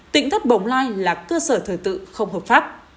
tỉnh thất bồng lai là cơ sở thờ tự không hợp pháp